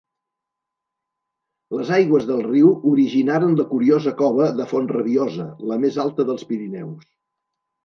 Les aigües del riu originaren la curiosa cova de Font-rabiosa, la més alta dels Pirineus.